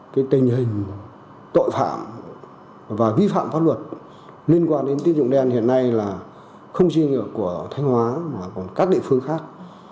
không chỉ của thanh hóa mà còn các địa phương khác